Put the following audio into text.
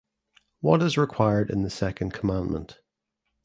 What is required in the second commandment?